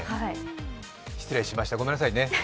失礼しました、ごめんなさいね。